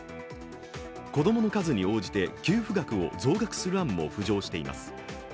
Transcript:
子供の数に応じて給付額を増額する案も浮上しています。